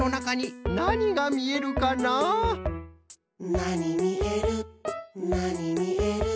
「なにみえるなにみえる」